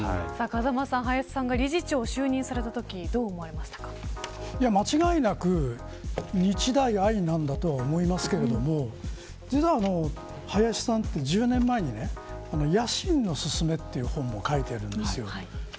林さんが理事長に就任されたとき間違いなく日大愛なんだと思いますけど林さんて１０年前に野心のすすめという本を書いたんです。